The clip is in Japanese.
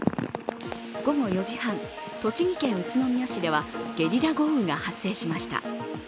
午後４時半、栃木県宇都宮市ではゲリラ豪雨が発生しました。